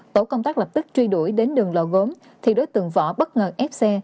tổ công tác lập tức truy đuổi đến đường lò gốm thì đối tượng võ bất ngờ ép xe